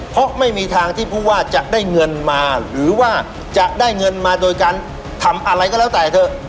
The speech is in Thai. เพราะไม่มีทางที่ผู้ว่าจะได้เงินมาหรือว่าจะได้เงินมาโดยการทำอะไรก็แล้วแต่เถอะ